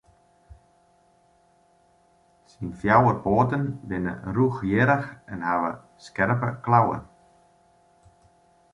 Syn fjouwer poaten binne rûchhierrich en hawwe skerpe klauwen.